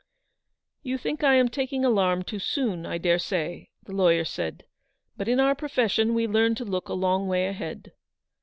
"You think I am taking alarm too soon, I daresay," the lawyer said, " but in our profession we learn to look a long way ahead.